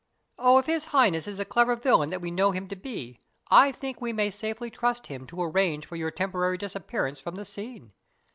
"Oh, if His Highness is the clever villain that we know him to be, I think we may safely trust him to arrange for your temporary disappearance from the scene.